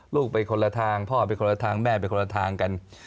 ลูกไปคนละทางพ่อไปคนละทางแม่ไปคนละทางกัน